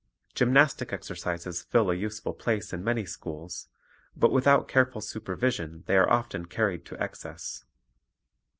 Gymnastic exercises fill a useful place in many schools; but with out careful supervision they are often carried to excess.